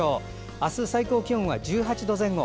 明日、最高気温は１８度前後。